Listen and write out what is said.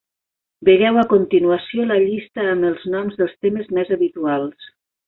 Vegeu a continuació la llista amb els noms dels temes més habituals.